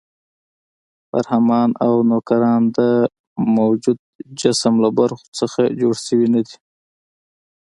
برهمنان او نوکران د موجود جسم له برخو نه جوړ شوي نه دي.